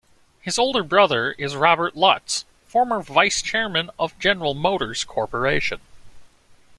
His older brother is Robert Lutz, former Vice-Chairman of General Motors Corporation.